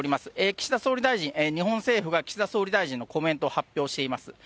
岸田総理大臣、日本政府が岸田総理大臣のコメントを発表しています。